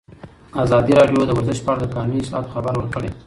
ازادي راډیو د ورزش په اړه د قانوني اصلاحاتو خبر ورکړی.